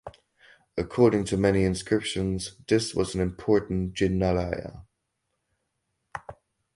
According to many inscriptions this was an important Jinalaya.